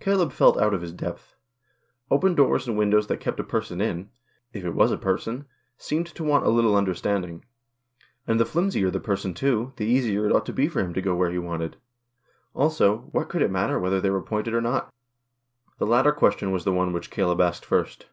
Caleb felt out of his depth. Open doors and windows that kept a person in — if it was a person — seemed to want a little understanding. And the flimsier the person, too, the easier it ought to be for him to go where he wanted. Also, what could it matter whether they were pointed or not ? The latter question was the one which Caleb asked first.